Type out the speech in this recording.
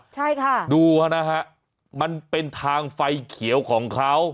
ใช่ค่ะดูฮะมันเป็นทางไฟเขียวของเขา